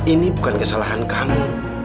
ini bukan kesalahan kamu